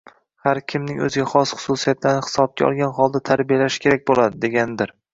har kimning o‘ziga xos xususiyatlarini hisobga olgan holda tarbiyalash kerak bo‘ladi, deganidir.